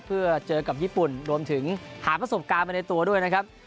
เพื่อเจอกับญี่ปุ่นรวมถึงหาประสบการณ์ไปในตัวด้วยนะครับ